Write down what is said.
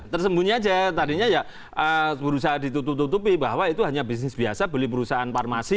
tersembunyi aja tadinya ya berusaha ditutupi bahwa itu hanya bisnis biasa beli perusahaan farmasi